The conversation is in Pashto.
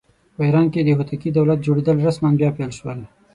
په ایران کې د هوتکي دولت جوړېدل رسماً پیل شول.